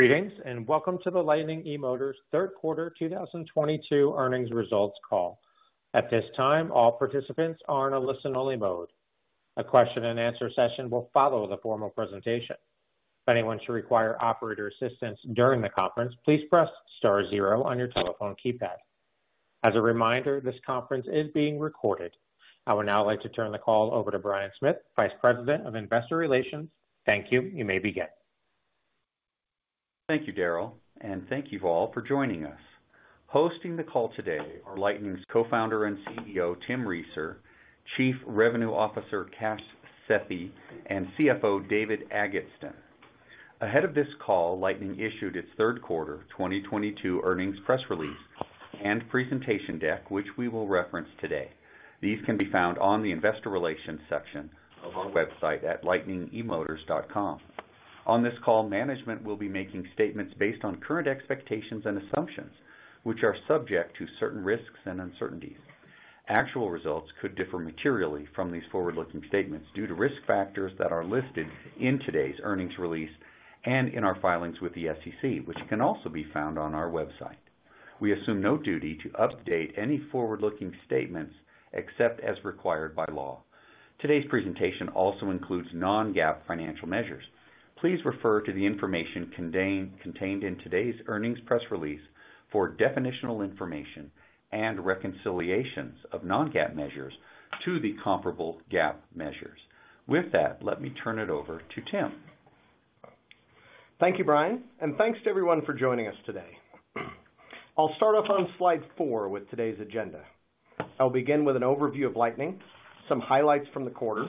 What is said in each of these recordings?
Greetings, and welcome to the Lightning eMotors third quarter 2022 earnings results call. At this time, all participants are in a listen-only mode. A question and answer session will follow the formal presentation. If anyone should require operator assistance during the conference, please press star zero on your telephone keypad. As a reminder, this conference is being recorded. I would now like to turn the call over to Brian Smith, Vice President of Investor Relations. Thank you. You may begin. Thank you, Daryl, and thank you all for joining us. Hosting the call today are Lightning eMotors's Co-founder and CEO, Tim Reeser, Chief Revenue Officer, Kash Sethi, and CFO, David Agatston. Ahead of this call, Lightning eMotors issued its third quarter 2022 earnings press release and presentation deck, which we will reference today. These can be found on the Investor Relations section of our website at lightningemotors.com. On this call, management will be making statements based on current expectations and assumptions, which are subject to certain risks and uncertainties. Actual results could differ materially from these forward-looking statements due to risk factors that are listed in today's earnings release and in our filings with the SEC, which can also be found on our website. We assume no duty to update any forward-looking statements except as required by law. Today's presentation also includes non-GAAP financial measures. Please refer to the information contained in today's earnings press release for definitional information and reconciliations of non-GAAP measures to the comparable GAAP measures. With that, let me turn it over to Tim. Thank you, Brian, and thanks to everyone for joining us today. I'll start off on slide 4 with today's agenda. I'll begin with an overview of Lightning, some highlights from the quarter,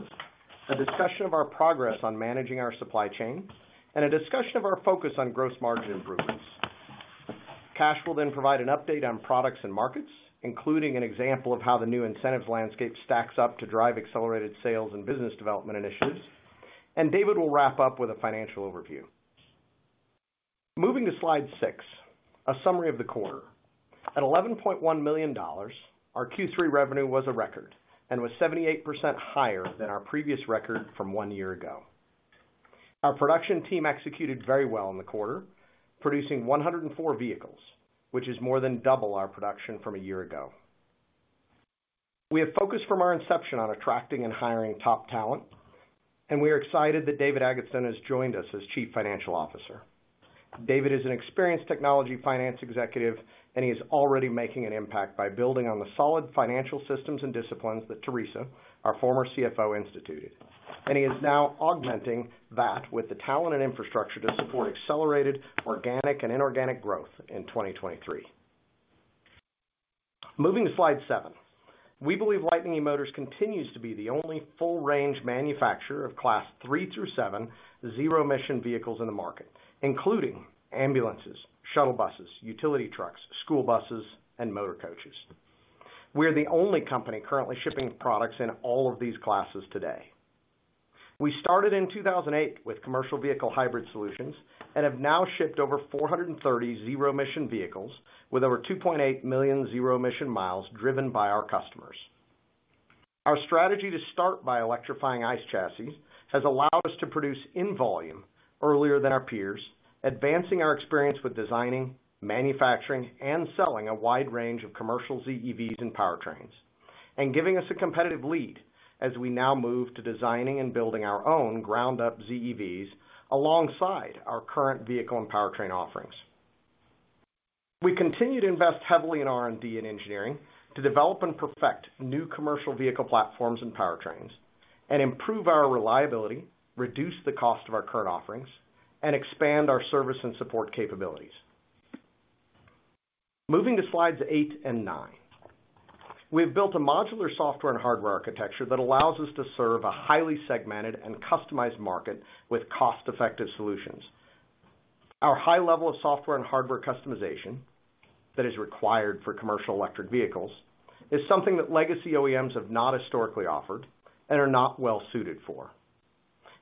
a discussion of our progress on managing our supply chain, and a discussion of our focus on gross margin improvements. Kash will then provide an update on products and markets, including an example of how the new incentives landscape stacks up to drive accelerated sales and business development initiatives. David will wrap up with a financial overview. Moving to slide 6, a summary of the quarter. At $11.1 million, our Q3 revenue was a record and was 78% higher than our previous record from one year ago. Our production team executed very well in the quarter, producing 104 vehicles, which is more than double our production from a year ago. We have focused from our inception on attracting and hiring top talent, and we are excited that David Agatston has joined us as Chief Financial Officer. David is an experienced technology finance executive, and he is already making an impact by building on the solid financial systems and disciplines that Theresa, our former CFO, instituted. He is now augmenting that with the talent and infrastructure to support accelerated organic and inorganic growth in 2023. Moving to slide 7. We believe Lightning eMotors continues to be the only full-range manufacturer of Class 3 through 7 zero-emission vehicles in the market, including ambulances, shuttle buses, utility trucks, school buses, and motor coaches. We are the only company currently shipping products in all of these classes today. We started in 2008 with commercial vehicle hybrid solutions and have now shipped over 430 zero-emission vehicles with over 2.8 million zero-emission miles driven by our customers. Our strategy to start by electrifying ICE chassis has allowed us to produce in volume earlier than our peers, advancing our experience with designing, manufacturing, and selling a wide range of commercial ZEVs and powertrains, and giving us a competitive lead as we now move to designing and building our own ground up ZEVs alongside our current vehicle and powertrain offerings. We continue to invest heavily in R&D and engineering to develop and perfect new commercial vehicle platforms and powertrains and improve our reliability, reduce the cost of our current offerings, and expand our service and support capabilities. Moving to slides 8 and 9. We've built a modular software and hardware architecture that allows us to serve a highly segmented and customized market with cost-effective solutions. Our high level of software and hardware customization that is required for commercial electric vehicles is something that legacy OEMs have not historically offered and are not well suited for.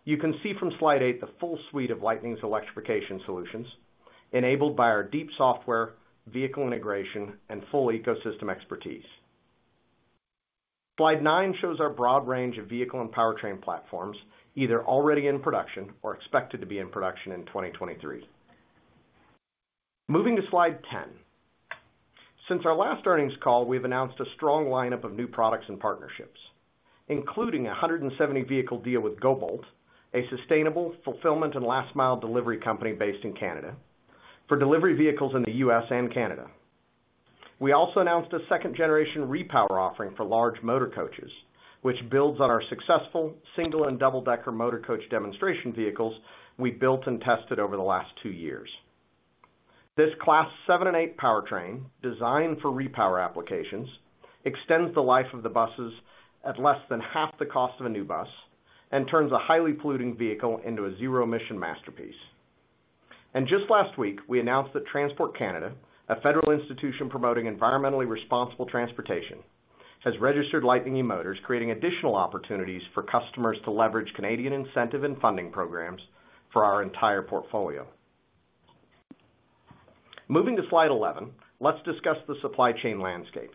You can see from slide 8 the full suite of Lightning's electrification solutions enabled by our deep software, vehicle integration, and full ecosystem expertise. Slide 9 shows our broad range of vehicle and powertrain platforms, either already in production or expected to be in production in 2023. Moving to slide 10. Since our last earnings call, we've announced a strong lineup of new products and partnerships, including a 170 vehicle deal with GoBolt, a sustainable fulfillment and last mile delivery company based in Canada, for delivery vehicles in the U.S. and Canada. We also announced a second-generation repower offering for large motor coaches, which builds on our successful single and double-decker motor coach demonstration vehicles we built and tested over the last 2 years. This Class 7 and 8 powertrain, designed for repower applications, extends the life of the buses at less than half the cost of a new bus and turns a highly polluting vehicle into a zero-emission masterpiece. Just last week, we announced that Transport Canada, a federal institution promoting environmentally responsible transportation, has registered Lightning eMotors, creating additional opportunities for customers to leverage Canadian incentive and funding programs for our entire portfolio. Moving to slide 11, let's discuss the supply chain landscape.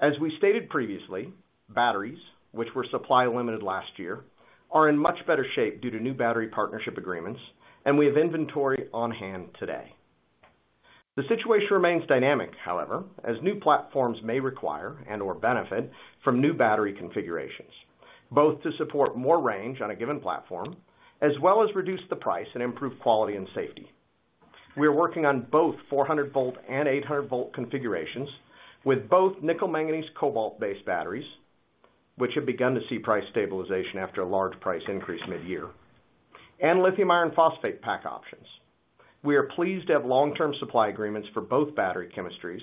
As we stated previously, batteries, which were supply limited last year, are in much better shape due to new battery partnership agreements, and we have inventory on hand today. The situation remains dynamic, however, as new platforms may require and/or benefit from new battery configurations, both to support more range on a given platform, as well as reduce the price and improve quality and safety. We are working on both 400-volt and 800-volt configurations with both nickel manganese cobalt-based batteries, which have begun to see price stabilization after a large price increase mid-year, and lithium iron phosphate pack options. We are pleased to have long-term supply agreements for both battery chemistries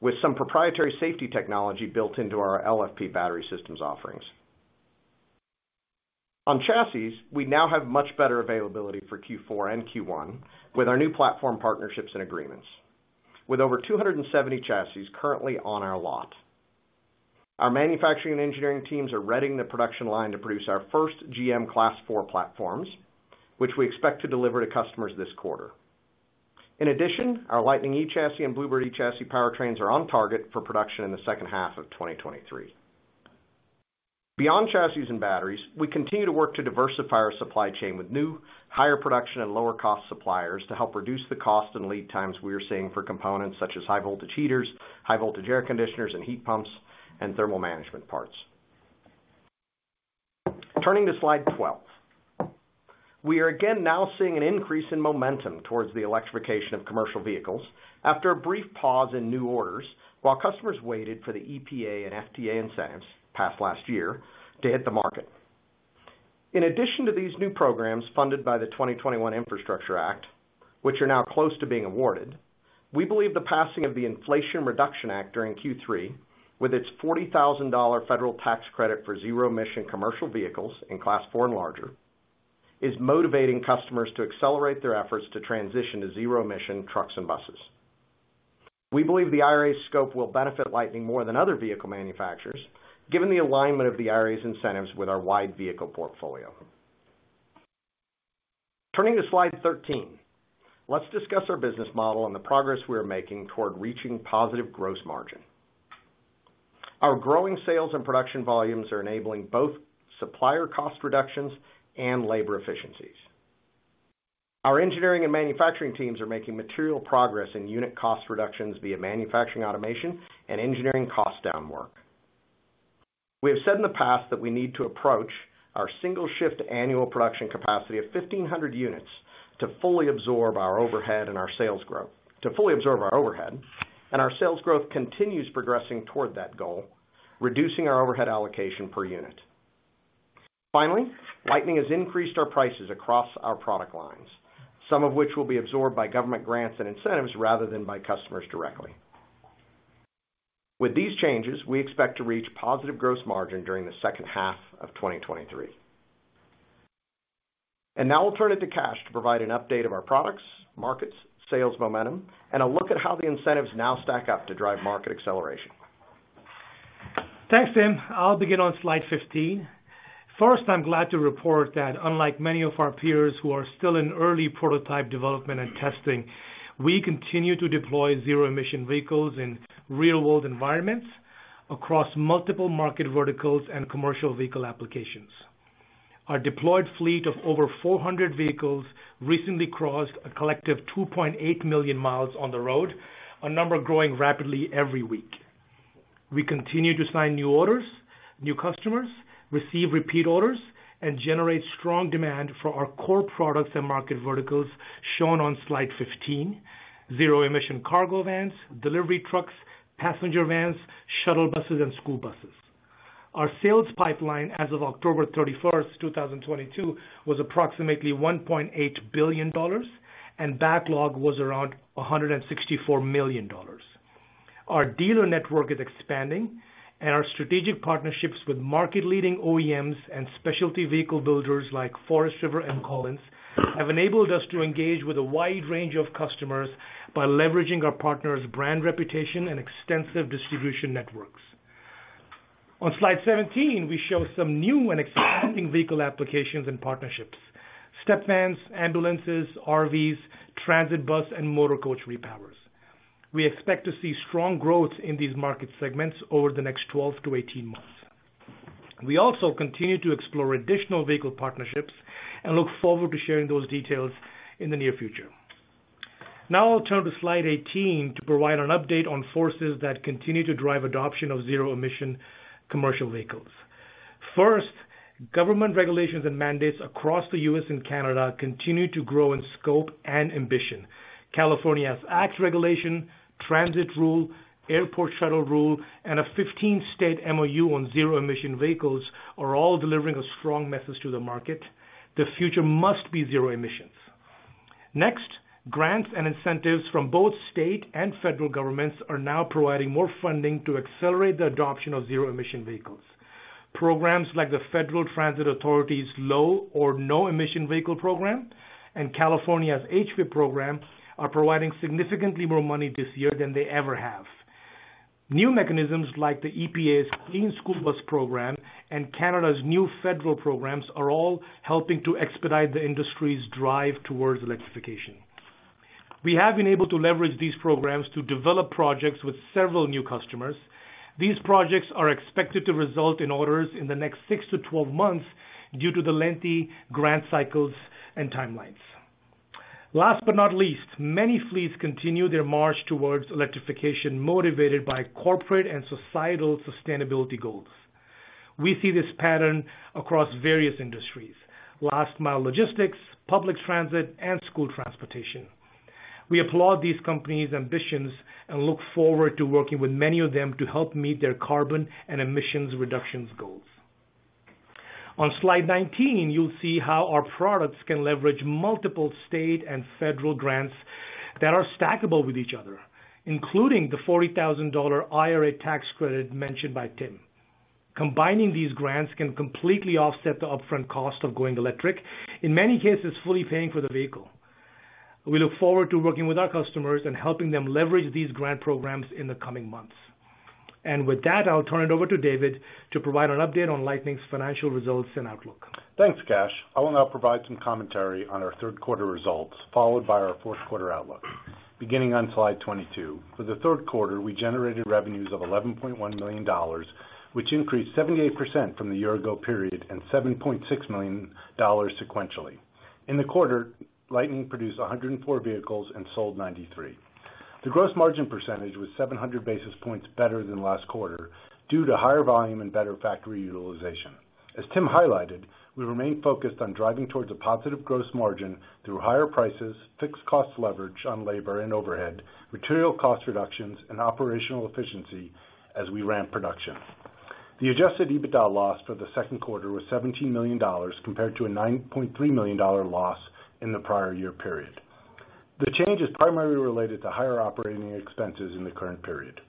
with some proprietary safety technology built into our LFP battery systems offerings. On chassis, we now have much better availability for Q4 and Q1 with our new platform partnerships and agreements, with over 270 chassis currently on our lot. Our manufacturing and engineering teams are readying the production line to produce our first GM Class 4 platforms, which we expect to deliver to customers this quarter. In addition, our Lightning eChassis and Blue Bird eChassis powertrains are on target for production in the second half of 2023. Beyond chassis and batteries, we continue to work to diversify our supply chain with new, higher production and lower cost suppliers to help reduce the cost and lead times we are seeing for components such as high voltage heaters, high voltage air conditioners and heat pumps, and thermal management parts. Turning to slide 12. We are again now seeing an increase in momentum towards the electrification of commercial vehicles after a brief pause in new orders while customers waited for the EPA and FTA incentives passed last year to hit the market. In addition to these new programs funded by the 2021 Infrastructure Act, which are now close to being awarded, we believe the passing of the Inflation Reduction Act during Q3, with its $40,000 federal tax credit for zero-emission commercial vehicles in Class 4 and larger, is motivating customers to accelerate their efforts to transition to zero-emission trucks and buses. We believe the IRA scope will benefit Lightning more than other vehicle manufacturers, given the alignment of the IRA's incentives with our wide vehicle portfolio. Turning to slide 13, let's discuss our business model and the progress we are making toward reaching positive gross margin. Our growing sales and production volumes are enabling both supplier cost reductions and labor efficiencies. Our engineering and manufacturing teams are making material progress in unit cost reductions via manufacturing, automation and engineering cost down work. We have said in the past that we need to approach our single shift annual production capacity of 1,500 units to fully absorb our overhead, and our sales growth continues progressing toward that goal, reducing our overhead allocation per unit. Finally, Lightning eMotors has increased our prices across our product lines, some of which will be absorbed by government grants and incentives rather than by customers directly. With these changes, we expect to reach positive gross margin during the second half of 2023. Now I'll turn it to Kash to provide an update of our products, markets, sales momentum, and a look at how the incentives now stack up to drive market acceleration. Thanks, Tim. I'll begin on slide 15. First, I'm glad to report that unlike many of our peers who are still in early prototype development and testing, we continue to deploy zero-emission vehicles in real-world environments across multiple market verticals and commercial vehicle applications. Our deployed fleet of over 400 vehicles recently crossed a collective 2.8 million miles on the road, a number growing rapidly every week. We continue to sign new orders, new customers, receive repeat orders, and generate strong demand for our core products and market verticals shown on slide 15, zero-emission cargo vans, delivery trucks, passenger vans, shuttle buses, and school buses. Our sales pipeline as of October 31, 2022, was approximately $1.8 billion, and backlog was around $164 million. Our dealer network is expanding, and our strategic partnerships with market-leading OEMs and specialty vehicle builders like Forest River and Collins have enabled us to engage with a wide range of customers by leveraging our partners' brand reputation and extensive distribution networks. On slide 17, we show some new and exciting vehicle applications and partnerships. Step vans, ambulances, RVs, transit bus, and motor coach repowers. We expect to see strong growth in these market segments over the next 12-18 months. We also continue to explore additional vehicle partnerships and look forward to sharing those details in the near future. Now I'll turn to slide 18 to provide an update on forces that continue to drive adoption of zero-emission commercial vehicles. First, government regulations and mandates across the U.S. and Canada continue to grow in scope and ambition. California's ACT regulation, transit rule, airport shuttle rule, and a 15-state MoU on zero-emission vehicles are all delivering a strong message to the market. The future must be zero emissions. Next, grants and incentives from both state and federal governments are now providing more funding to accelerate the adoption of zero-emission vehicles. Programs like the Federal Transit Administration's Low or No Emission Vehicle program and California's HVIP program are providing significantly more money this year than they ever have. New mechanisms like the EPA's Clean School Bus program and Canada's new federal programs are all helping to expedite the industry's drive towards electrification. We have been able to leverage these programs to develop projects with several new customers. These projects are expected to result in orders in the next 6-12 months due to the lengthy grant cycles and timelines. Last but not least, many fleets continue their march towards electrification, motivated by corporate and societal sustainability goals. We see this pattern across various industries, last mile logistics, public transit, and school transportation. We applaud these companies' ambitions and look forward to working with many of them to help meet their carbon and emissions reductions goals. On slide 19, you'll see how our products can leverage multiple state and federal grants that are stackable with each other, including the $40,000 IRA tax credit mentioned by Tim. Combining these grants can completely offset the upfront cost of going electric, in many cases, fully paying for the vehicle. We look forward to working with our customers and helping them leverage these grant programs in the coming months. With that, I'll turn it over to David to provide an update on Lightning's financial results and outlook. Thanks, Kash. I will now provide some commentary on our third quarter results, followed by our fourth quarter outlook. Beginning on slide 22. For the third quarter, we generated revenues of $11.1 million, which increased 78% from the year ago period and $7.6 million sequentially. In the quarter, Lightning produced 104 vehicles and sold 93. The gross margin percentage was 700 basis points better than last quarter due to higher volume and better factory utilization. As Tim highlighted, we remain focused on driving towards a positive gross margin through higher prices, fixed cost leverage on labor and overhead, material cost reductions, and operational efficiency as we ramp production. The Adjusted EBITDA loss for the second quarter was $17 million compared to a $9.3 million dollar loss in the prior year period. The change is primarily related to higher operating expenses in the current period.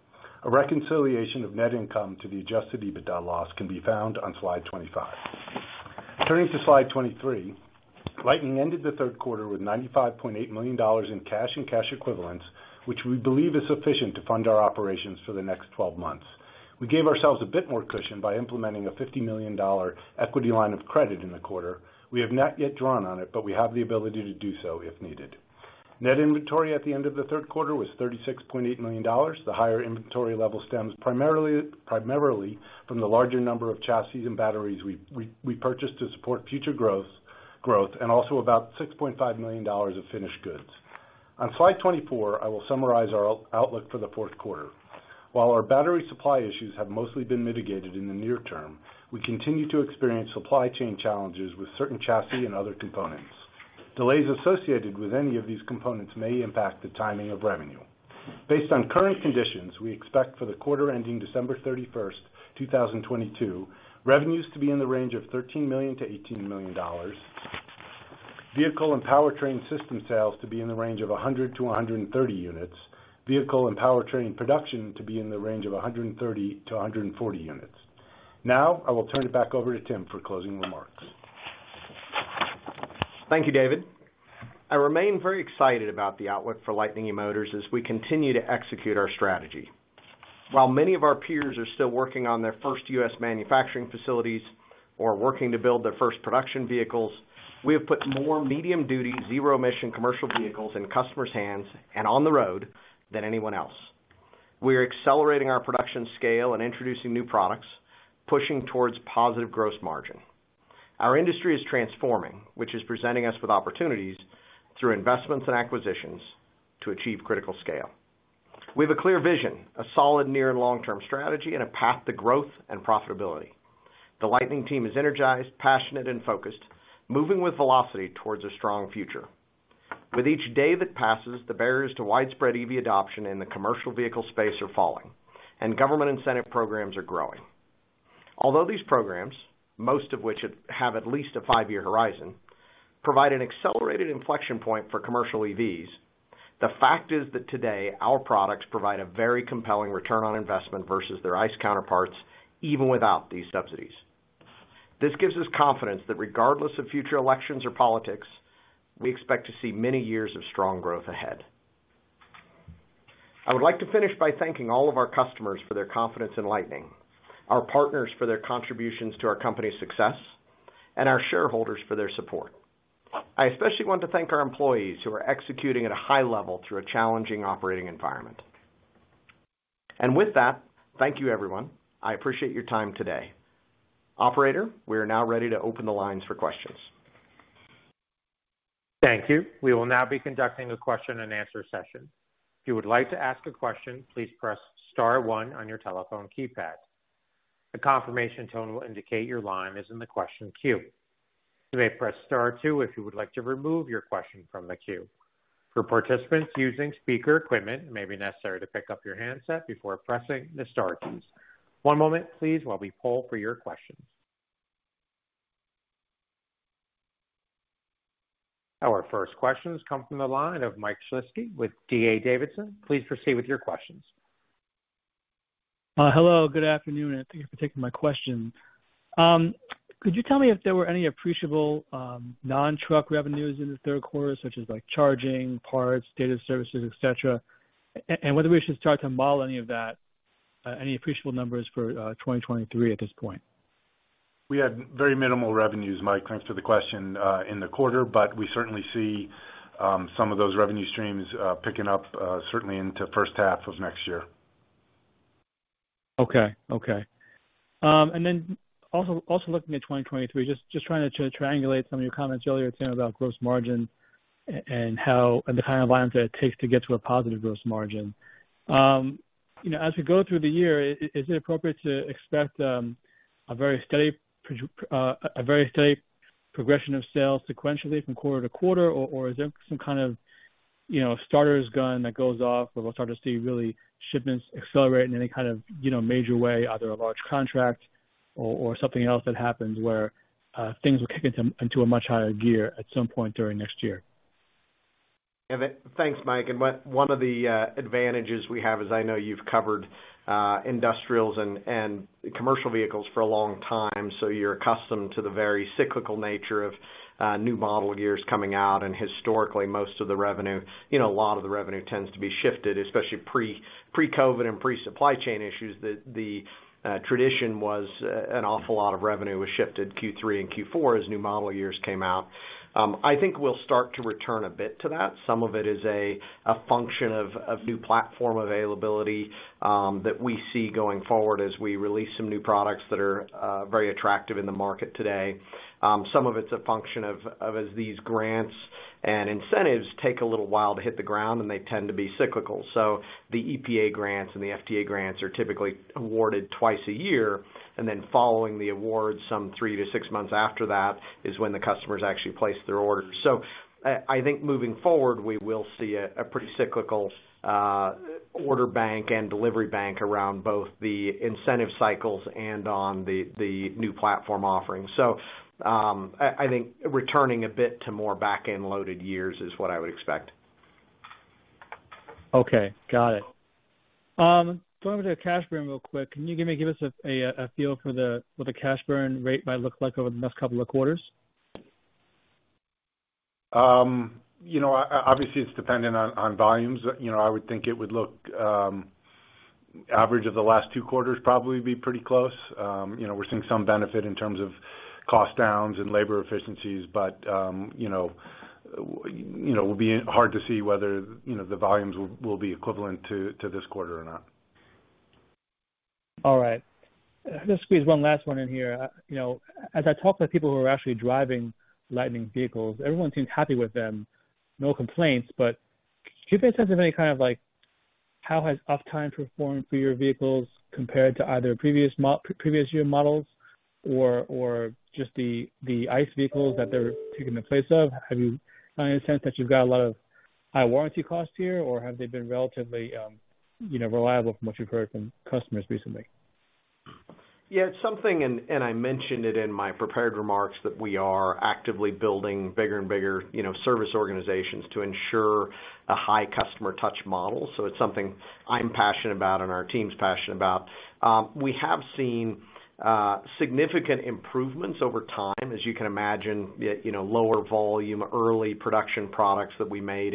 A reconciliation of net income to the Adjusted EBITDA loss can be found on slide 25. Turning to slide 23. Lightning ended the third quarter with $95.8 million in cash and cash equivalents, which we believe is sufficient to fund our operations for the next twelve months. We gave ourselves a bit more cushion by implementing a $50 million equity line of credit in the quarter. We have not yet drawn on it, but we have the ability to do so if needed. Net inventory at the end of the third quarter was $36.8 million. The higher inventory level stems primarily from the larger number of chassis and batteries we purchased to support future growth and also about $6.5 million of finished goods. On slide 24, I will summarize our outlook for the fourth quarter. While our battery supply issues have mostly been mitigated in the near term, we continue to experience supply chain challenges with certain chassis and other components. Delays associated with any of these components may impact the timing of revenue. Based on current conditions, we expect for the quarter ending December 31, 2022, revenues to be in the range of $13 million-$18 million. Vehicle and powertrain system sales to be in the range of 100-130 units. Vehicle and powertrain production to be in the range of 130-140 units. Now I will turn it back over to Tim for closing remarks. Thank you, David. I remain very excited about the outlook for Lightning eMotors as we continue to execute our strategy. While many of our peers are still working on their first U.S. manufacturing facilities or working to build their first production vehicles, we have put more medium-duty, zero-emission commercial vehicles in customers' hands and on the road than anyone else. We are accelerating our production scale and introducing new products, pushing towards positive gross margin. Our industry is transforming, which is presenting us with opportunities through investments and acquisitions to achieve critical scale. We have a clear vision, a solid near and long-term strategy, and a path to growth and profitability. The Lightning team is energized, passionate, and focused, moving with velocity towards a strong future. With each day that passes, the barriers to widespread EV adoption in the commercial vehicle space are falling, and government incentive programs are growing. Although these programs, most of which have at least a five-year horizon, provide an accelerated inflection point for commercial EVs, the fact is that today our products provide a very compelling return on investment versus their ICE counterparts, even without these subsidies. This gives us confidence that regardless of future elections or politics, we expect to see many years of strong growth ahead. I would like to finish by thanking all of our customers for their confidence in Lightning, our partners for their contributions to our company's success, and our shareholders for their support. I especially want to thank our employees who are executing at a high level through a challenging operating environment. With that, thank you everyone. I appreciate your time today. Operator, we are now ready to open the lines for questions. Thank you. We will now be conducting a question and answer session. If you would like to ask a question, please press star one on your telephone keypad. A confirmation tone will indicate your line is in the question queue. You may press star two if you would like to remove your question from the queue. For participants using speaker equipment, it may be necessary to pick up your handset before pressing the star keys. One moment please while we poll for your questions. Our first question comes from the line of Michael Shlisky with D.A. Davidson. Please proceed with your questions. Hello, good afternoon, and thank you for taking my question. Could you tell me if there were any appreciable non-truck revenues in the third quarter, such as like charging, parts, data services, et cetera, and whether we should start to model any of that any appreciable numbers for 2023 at this point? We had very minimal revenues, Mike. Thanks for the question in the quarter, but we certainly see some of those revenue streams picking up, certainly into the first half of next year. Okay. Looking at 2023, just trying to triangulate some of your comments earlier, Tim, about gross margin and how the kind of volumes that it takes to get to a positive gross margin. You know, as we go through the year, is it appropriate to expect a very steady progression of sales sequentially from quarter to quarter? Or is there some kind of, you know, starter's gun that goes off or we'll start to see really shipments accelerate in any kind of, you know, major way, either a large contract or something else that happens where things will kick into a much higher gear at some point during next year? Yeah. Thanks, Mike. One of the advantages we have is I know you've covered industrials and commercial vehicles for a long time, so you're accustomed to the very cyclical nature of new model years coming out. Historically, most of the revenue, you know, a lot of the revenue tends to be shifted, especially pre-COVID and pre-supply chain issues. The tradition was an awful lot of revenue was shifted Q3 and Q4 as new model years came out. I think we'll start to return a bit to that. Some of it is a function of new platform availability that we see going forward as we release some new products that are very attractive in the market today. Some of it's a function of as these grants and incentives take a little while to hit the ground, and they tend to be cyclical. The EPA grants and the FTA grants are typically awarded twice a year, and then following the awards, some 3-6 months after that is when the customers actually place their orders. I think moving forward, we will see a pretty cyclical order bank and delivery bank around both the incentive cycles and on the new platform offerings. I think returning a bit to more back-end loaded years is what I would expect. Okay. Got it. Going to the cash burn real quick. Can you give us a feel for what the cash burn rate might look like over the next couple of quarters? You know, obviously, it's dependent on volumes. You know, I would think it would look average of the last two quarters probably be pretty close. You know, we're seeing some benefit in terms of cost downs and labor efficiencies, but you know, it will be hard to see whether you know, the volumes will be equivalent to this quarter or not. All right. Let's squeeze one last one in here. You know, as I talk to people who are actually driving Lightning vehicles, everyone seems happy with them. No complaints, but do you guys have any kind of like how has uptime performed for your vehicles compared to either previous year models or just the ICE vehicles that they're taking the place of? Have you kind of a sense that you've got a lot of high warranty costs here, or have they been relatively, you know, reliable from what you've heard from customers recently? Yeah, it's something and I mentioned it in my prepared remarks, that we are actively building bigger and bigger, you know, service organizations to ensure a high customer touch model. It's something I'm passionate about and our team's passionate about. We have seen significant improvements over time. As you can imagine, you know, lower volume, early production products that we made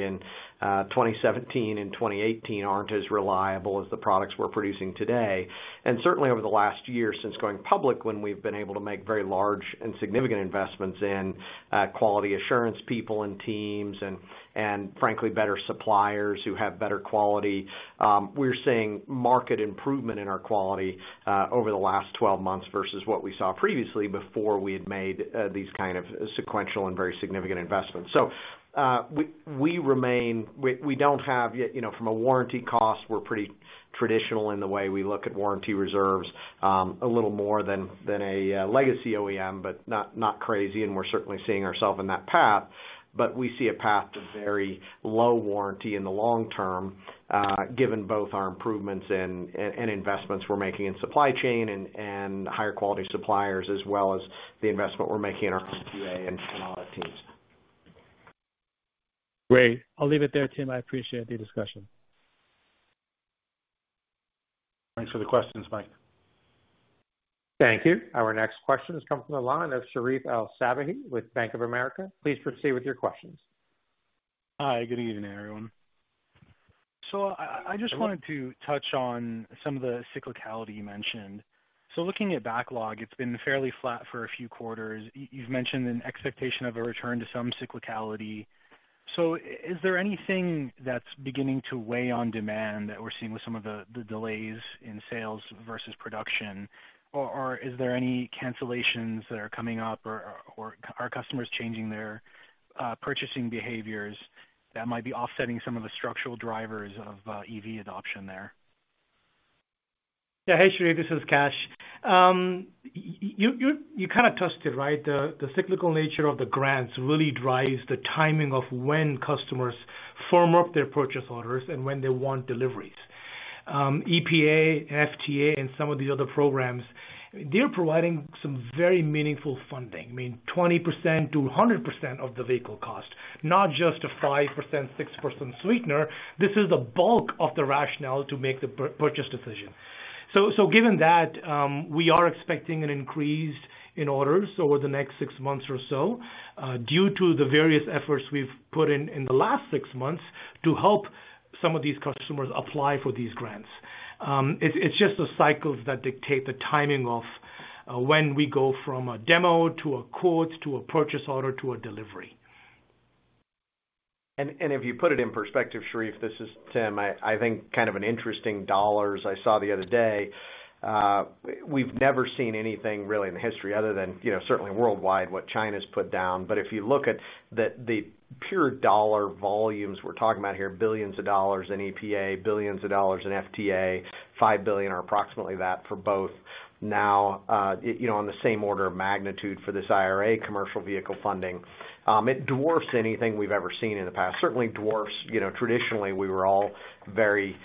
in 2017 and 2018 aren't as reliable as the products we're producing today. Certainly over the last year since going public, when we've been able to make very large and significant investments in quality assurance people and teams and frankly, better suppliers who have better quality. We're seeing market improvement in our quality over the last 12 months versus what we saw previously before we had made these kind of sequential and very significant investments. We don't have yet. You know, from a warranty cost, we're pretty traditional in the way we look at warranty reserves, a little more than a legacy OEM, but not crazy and we're certainly seeing ourself in that path. We see a path to very low warranty in the long term, given both our improvements and investments we're making in supply chain and higher quality suppliers, as well as the investment we're making in our QA and quality teams. Great. I'll leave it there, Tim. I appreciate the discussion. Thanks for the questions, Mike. Thank you. Our next question has come from the line of Sherif El-Sabbahy with Bank of America. Please proceed with your questions. Hi. Good evening, everyone. I just wanted to touch on some of the cyclicality you mentioned. Looking at backlog, it's been fairly flat for a few quarters. You've mentioned an expectation of a return to some cyclicality. Is there anything that's beginning to weigh on demand that we're seeing with some of the delays in sales versus production? Or is there any cancellations that are coming up or are customers changing their purchasing behaviors that might be offsetting some of the structural drivers of EV adoption there? Yeah. Hey, Sherif, this is Kash. You kind of touched it, right? The cyclical nature of the grants really drives the timing of when customers firm up their purchase orders and when they want deliveries. EPA, FTA, and some of the other programs, they're providing some very meaningful funding. I mean, 20%-100% of the vehicle cost, not just a 5%, 6% sweetener. This is the bulk of the rationale to make the purchase decision. Given that, we are expecting an increase in orders over the next six months or so, due to the various efforts we've put in the last six months to help some of these customers apply for these grants. It's just the cycles that dictate the timing of when we go from a demo to a quote, to a purchase order, to a delivery. If you put it in perspective, Sherif, this is Tim. I think kind of an interesting dollars I saw the other day. We've never seen anything really in history other than, you know, certainly worldwide what China's put down. If you look at the pure dollar volumes we're talking about here, $ billions in EPA, $ billions in FTA, $5 billion or approximately that for both now, you know, on the same order of magnitude for this IRA commercial vehicle funding, it dwarfs anything we've ever seen in the past. Certainly dwarfs, you know, traditionally we were all very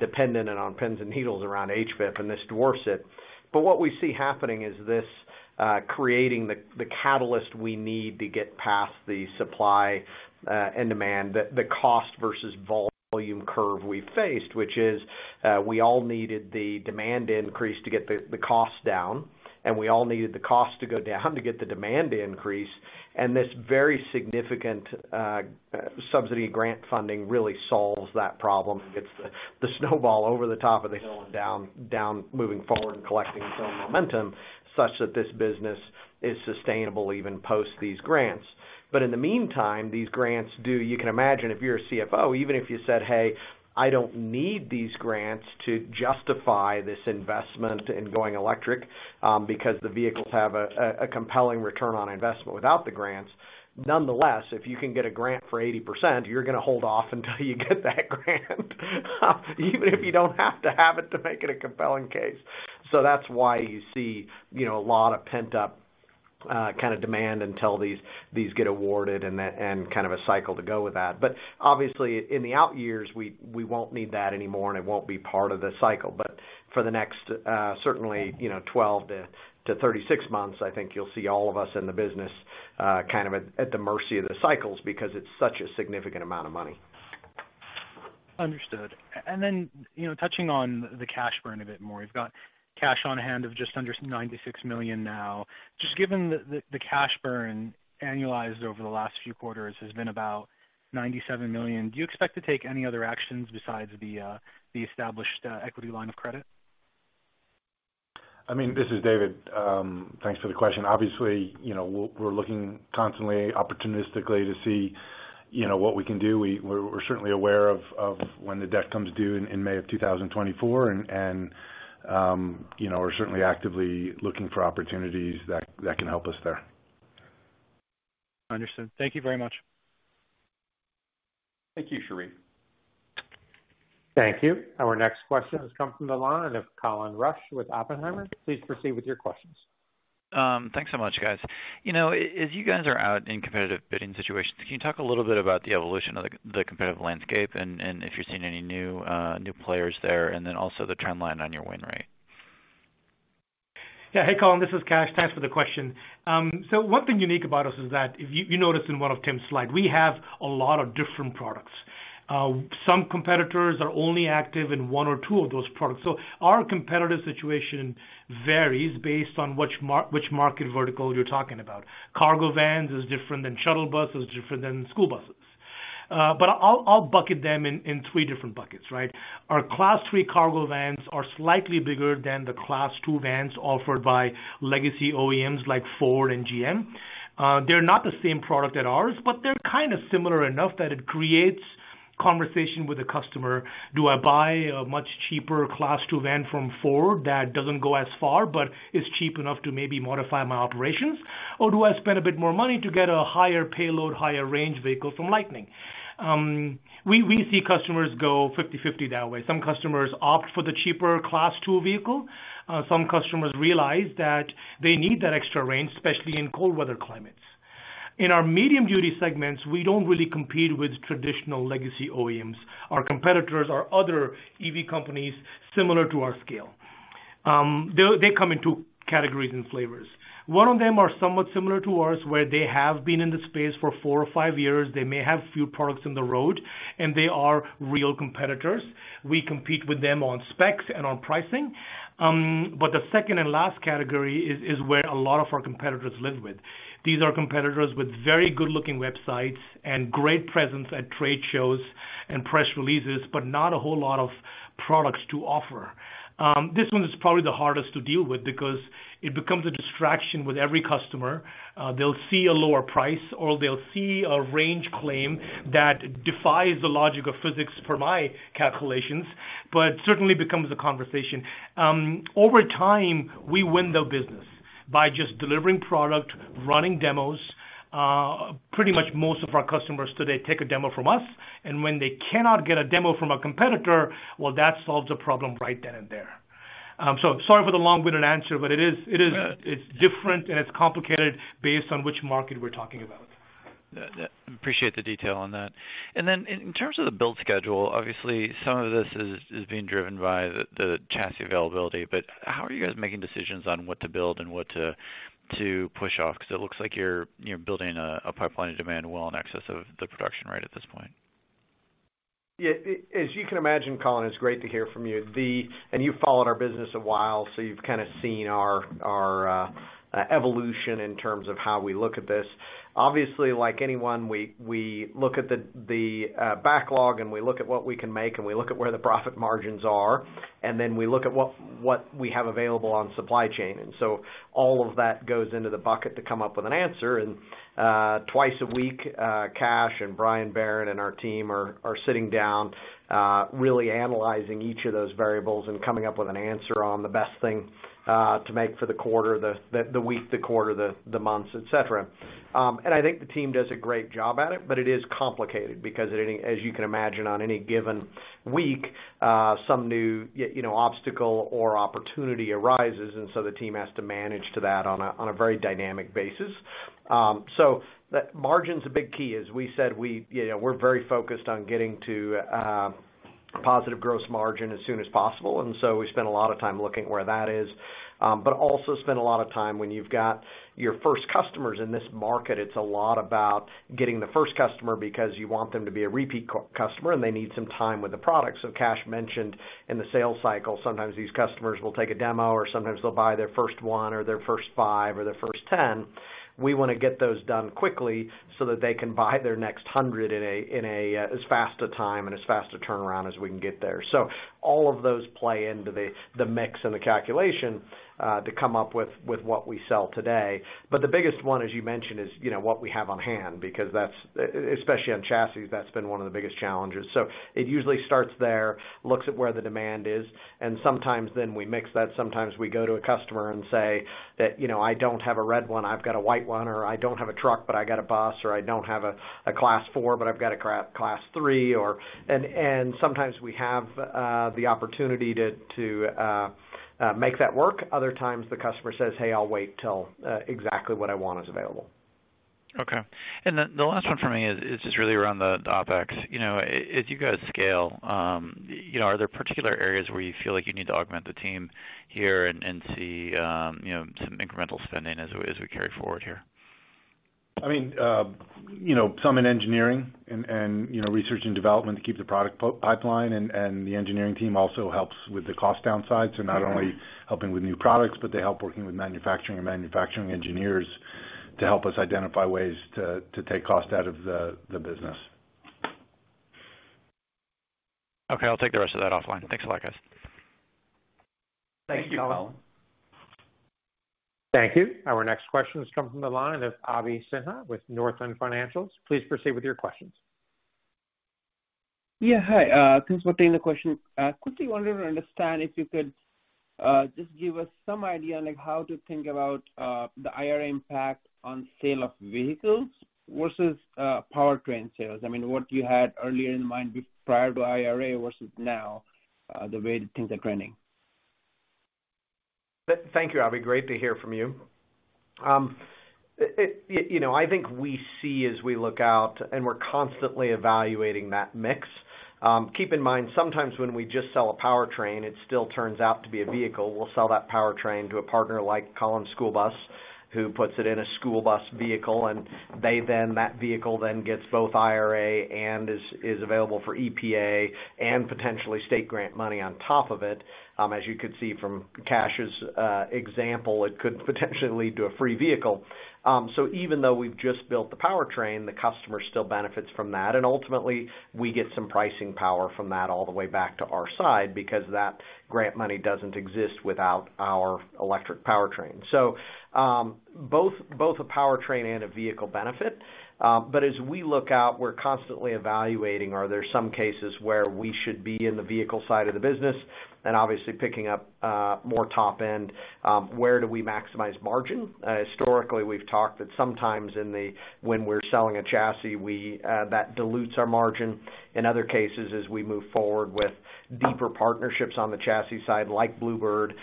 dependent and on pins and needles around HVIP, and this dwarfs it. What we see happening is this, creating the catalyst we need to get past the supply and demand, the cost versus volume curve we faced, which is, we all needed the demand increase to get the cost down, and we all needed the cost to go down to get the demand increase. This very significant subsidy grant funding really solves that problem and gets the snowball over the top of the hill and down moving forward and collecting its own momentum, such that this business is sustainable even post these grants. In the meantime, these grants do You can imagine if you're a CFO, even if you said, "Hey, I don't need these grants to justify this investment in going electric, because the vehicles have a compelling return on investment without the grants." Nonetheless, if you can get a grant for 80%, you're gonna hold off until you get that grant even if you don't have to have it to make it a compelling case. That's why you see, you know, a lot of pent-up kinda demand until these get awarded and kind of a cycle to go with that. Obviously in the out years, we won't need that anymore, and it won't be part of the cycle. For the next certainly, you know, 12-36 months, I think you'll see all of us in the business kind of at the mercy of the cycles because it's such a significant amount of money. Understood. You know, touching on the cash burn a bit more. You've got cash on hand of just under $96 million now. Just given the cash burn annualized over the last few quarters has been about $97 million, do you expect to take any other actions besides the established equity line of credit? I mean, this is David. Thanks for the question. Obviously, you know, we're looking constantly, opportunistically to see, you know, what we can do. We're certainly aware of when the debt comes due in May of 2024, and you know, we're certainly actively looking for opportunities that can help us there. Understood. Thank you very much. Thank you, Sherif. Thank you. Our next question has come from the line of Colin Rusch with Oppenheimer. Please proceed with your questions. Thanks so much, guys. You know, as you guys are out in competitive bidding situations, can you talk a little bit about the evolution of the competitive landscape and if you're seeing any new players there and then also the trend line on your win rate? Yeah. Hey, Colin, this is Kash. Thanks for the question. One thing unique about us is that if you noticed in one of Tim's slide, we have a lot of different products. Some competitors are only active in one or two of those products. Our competitive situation varies based on which market vertical you're talking about. Cargo vans is different than shuttle buses, is different than school buses. But I'll bucket them in three different buckets, right? Our Class 3 cargo vans are slightly bigger than the Class 2 vans offered by legacy OEMs like Ford and GM. They're not the same product as ours, but they're kinda similar enough that it creates conversation with the customer. Do I buy a much cheaper Class 2 van from Ford that doesn't go as far but is cheap enough to maybe modify my operations? Or do I spend a bit more money to get a higher payload, higher range vehicle from Lightning? We see customers go 50/50 that way. Some customers opt for the cheaper Class 2 vehicle. Some customers realize that they need that extra range, especially in cold weather climates. In our medium-duty segments, we don't really compete with traditional legacy OEMs. Our competitors are other EV companies similar to our scale. They come in two categories and flavors. One of them are somewhat similar to ours, where they have been in the space for four or five years. They may have few products on the road, and they are real competitors. We compete with them on specs and on pricing. The second and last category is where a lot of our competitors live with. These are competitors with very good-looking websites and great presence at trade shows and press releases, but not a whole lot of products to offer. This one is probably the hardest to deal with because it becomes a distraction with every customer. They'll see a lower price, or they'll see a range claim that defies the logic of physics per my calculations, but certainly becomes a conversation. Over time, we win the business by just delivering product, running demos. Pretty much most of our customers today take a demo from us, and when they cannot get a demo from a competitor, well, that solves the problem right then and there. Sorry for the long-winded answer, but it is, it's different and it's complicated based on which market we're talking about. Yeah. Appreciate the detail on that. In terms of the build schedule, obviously some of this is being driven by the chassis availability, but how are you guys making decisions on what to build and what to push off? Because it looks like you're building a pipeline of demand well in excess of the production rate at this point. Yeah, as you can imagine, Colin, it's great to hear from you. You followed our business a while, so you've kind of seen our evolution in terms of how we look at this. Obviously, like anyone, we look at the backlog and we look at what we can make and we look at where the profit margins are, and then we look at what we have available on supply chain. All of that goes into the bucket to come up with an answer. Twice a week, Kash and Brian Barron and our team are sitting down, really analyzing each of those variables and coming up with an answer on the best thing to make for the quarter, the week, the quarter, the months, et cetera. I think the team does a great job at it, but it is complicated because it, as you can imagine, on any given week, some new, you know, obstacle or opportunity arises, and so the team has to manage to that on a very dynamic basis. The margin's a big key. As we said, we, you know, we're very focused on getting to positive gross margin as soon as possible, and so we spend a lot of time looking where that is. Also spend a lot of time when you've got your first customers in this market, it's a lot about getting the first customer because you want them to be a repeat customer, and they need some time with the product. Kash mentioned in the sales cycle, sometimes these customers will take a demo or sometimes they'll buy their first one or their first 5 or their first 10. We wanna get those done quickly so that they can buy their next 100 in a as fast a time and as fast a turnaround as we can get there. All of those play into the mix and the calculation to come up with what we sell today. The biggest one, as you mentioned, is what we have on hand because that's especially on chassis, that's been one of the biggest challenges. It usually starts there, looks at where the demand is, and sometimes then we mix that. Sometimes we go to a customer and say that, you know, "I don't have a red one, I've got a white one," or, "I don't have a truck, but I got a bus," or, "I don't have a Class Four, but I've got a Class Three," or. Sometimes we have the opportunity to make that work. Other times the customer says, "Hey, I'll wait till exactly what I want is available. Okay. The last one for me is just really around the OpEx. You know, as you guys scale, you know, are there particular areas where you feel like you need to augment the team here and see, you know, some incremental spending as we carry forward here? I mean, you know, some in engineering and you know research and development to keep the product pipeline and the engineering team also helps with the cost downs. They're not only helping with new products, but they help working with manufacturing and manufacturing engineers to help us identify ways to take cost out of the business. Okay. I'll take the rest of that offline. Thanks a lot, guys. Thank you, Colin. Thank you, Colin. Thank you. Our next question is coming from the line of Abhishek Sinha with Northland Capital Markets. Please proceed with your questions. Yeah, hi. Thanks for taking the question. Quickly wanted to understand if you could just give us some idea on, like, how to think about the IRA impact on sale of vehicles versus powertrain sales. I mean, what you had earlier in mind prior to IRA versus now, the way that things are trending. Thank you, Abhi, great to hear from you. You know, I think we see as we look out and we're constantly evaluating that mix. Keep in mind, sometimes when we just sell a powertrain, it still turns out to be a vehicle. We'll sell that powertrain to a partner like Collins Bus, who puts it in a school bus vehicle, and then that vehicle gets both IRA and is available for EPA and potentially state grant money on top of it. As you could see from Kash's example, it could potentially lead to a free vehicle. Even though we've just built the powertrain, the customer still benefits from that. Ultimately, we get some pricing power from that all the way back to our side because that grant money doesn't exist without our electric powertrain. Both a powertrain and a vehicle benefit. As we look out, we're constantly evaluating, are there some cases where we should be in the vehicle side of the business and obviously picking up more top end, where do we maximize margin? Historically, we've talked that sometimes when we're selling a chassis, that dilutes our margin. In other cases, as we move forward with deeper partnerships on the chassis side, like Blue Bird,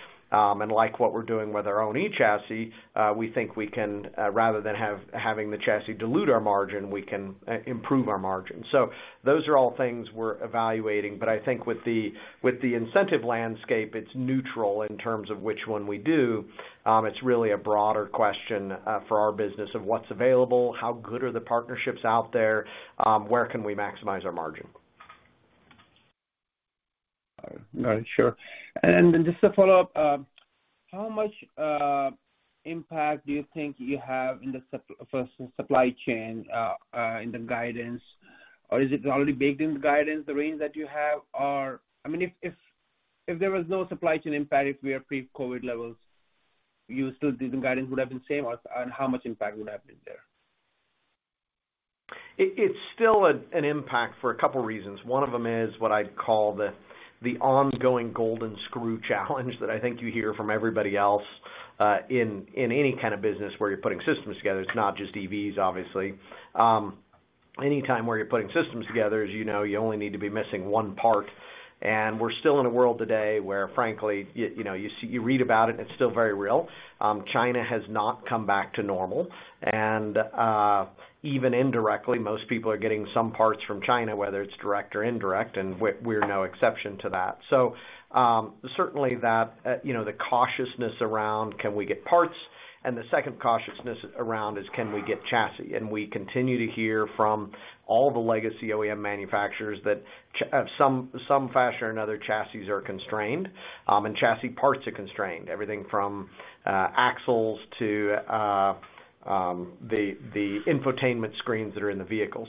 and like what we're doing with our own eChassis, we think we can, rather than having the chassis dilute our margin, improve our margin. Those are all things we're evaluating, but I think with the incentive landscape, it's neutral in terms of which one we do. It's really a broader question for our business of what's available, how good are the partnerships out there, where can we maximize our margin. All right. Sure. Just to follow up, how much impact do you think you have in the supply chain in the guidance? Is it already baked in the guidance, the range that you have? I mean, if there was no supply chain impact, if we were pre-COVID levels, the guidance would have been same or, and how much impact would have been there? It's still an impact for a couple reasons. One of them is what I'd call the ongoing golden screw challenge that I think you hear from everybody else in any kind of business where you're putting systems together. It's not just EVs, obviously. Anytime where you're putting systems together, as you know, you only need to be missing one part. We're still in a world today where, frankly, you know, you see, you read about it, and it's still very real. China has not come back to normal. Even indirectly, most people are getting some parts from China, whether it's direct or indirect, and we're no exception to that. Certainly that, you know, the cautiousness around can we get parts? The second cautiousness around is, can we get chassis? We continue to hear from all the legacy OEM manufacturers that some fashion or another, chassis are constrained, and chassis parts are constrained. Everything from axles to the infotainment screens that are in the vehicle.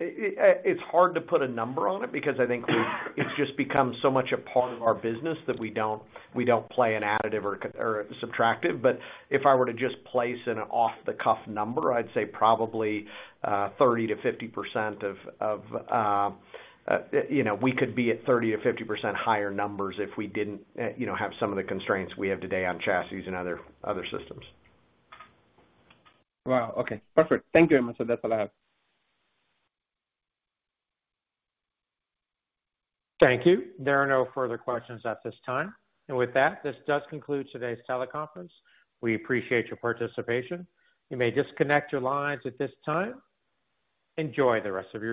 It's hard to put a number on it because I think it's just become so much a part of our business that we don't play an additive or a subtractive. But if I were to just place an off-the-cuff number, I'd say probably 30%-50% of, you know, we could be at 30%-50% higher numbers if we didn't have some of the constraints we have today on chassis and other systems. Wow. Okay. Perfect. Thank you very much. That's all I have. Thank you. There are no further questions at this time. With that, this does conclude today's teleconference. We appreciate your participation. You may disconnect your lines at this time. Enjoy the rest of your day.